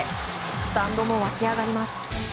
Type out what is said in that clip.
スタンドも沸き上がります。